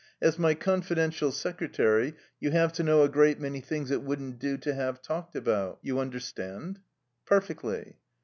As my confidential secretary, you have to know a great many things it wouldn't do to have talked about. You understand?" "Perfectly."